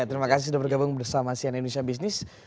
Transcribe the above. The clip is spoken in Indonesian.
terima kasih sudah bergabung bersama sian indonesia business